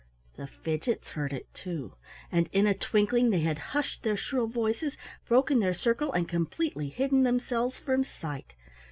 The Fidgets heard it, too, and in a twinkling they had hushed their shrill voices, broken their circle, and completely hidden themselves from sight.